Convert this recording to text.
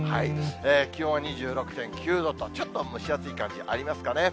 気温は２６．９度と、ちょっと蒸し暑い感じありますかね。